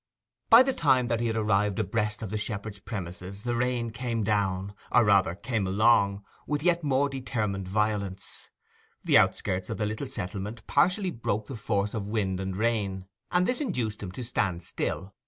By the time that he had arrived abreast of the shepherd's premises the rain came down, or rather came along, with yet more determined violence. The outskirts of the little settlement partially broke the force of wind and rain, and this induced him to stand still.